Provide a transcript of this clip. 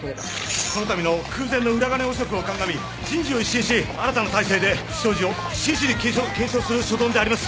このたびの空前の裏金汚職をかんがみ人事を一新し新たな体制で不祥事を真摯に検証検証する所存であります。